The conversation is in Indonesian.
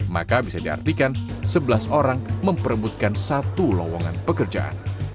maka bisa diartikan sebelas orang memperebutkan satu lowongan pekerjaan